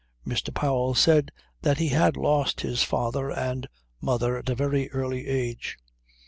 Mr. Powell said that he had lost his father and mother at a very early age.